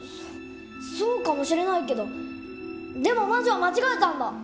そそうかもしれないけどでも魔女は間違えたんだ！